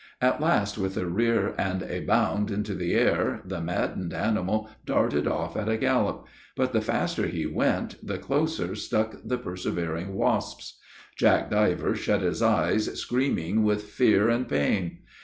At last, with a rear and a bound into the air, the maddened animal darted off at a gallop; but the faster he went, the closer stuck the persevering wasps. Jack Diver shut his eyes, screaming with fear and pain.